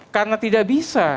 karena tidak bisa